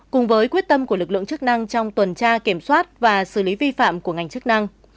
cùng với quyết tâm của lực lượng chức năng trong tuần tra kiểm soát và xử lý vi phạm của ngành chức năng